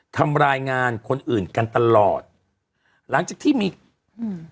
ทำงานคนอื่นกันตลอดหลังจากที่มีอืม